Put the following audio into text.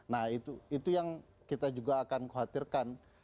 nah itu yang kita juga akan khawatirkan